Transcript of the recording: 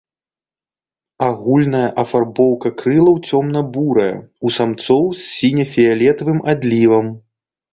Агульная афарбоўка крылаў цёмна-бурая, у самцоў з сіне-фіялетавым адлівам.